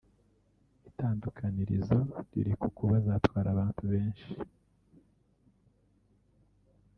Itandukanirizo riri ku kuba zatwara abantu benshi